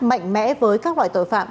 mạnh mẽ với các loại tội phạm